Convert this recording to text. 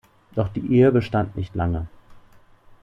Doch die Ehe bestand nicht lange.